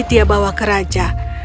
dia bawa ke raja